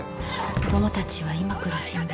子供たちは今苦しんでいる。